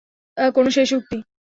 কোনো শেষ উক্তি?